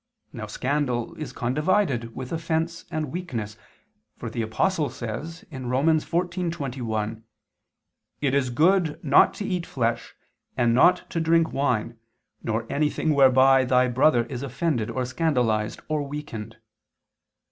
Now scandal is condivided with offense and weakness, for the Apostle says (Rom. 14:21): "It is good not to eat flesh, and not to drink wine, nor anything whereby thy brother is offended or scandalized, or weakened."